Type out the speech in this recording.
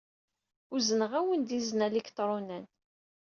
Uzneɣ-awen-d izen aliktṛunan.